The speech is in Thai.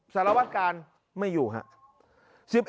สารวัตกาลไม่อยู่ครับ